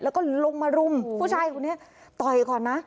แล้วก็ลงมารุมผู้ชายคนนี้ต่อยก่อนนะ